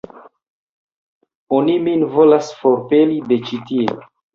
Oni min volas forpeli de ĉi tie.